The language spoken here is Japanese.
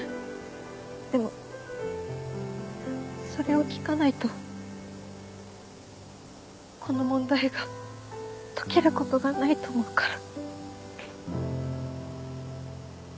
でもそれを聞かないとこの問題が解けることがないと思うから。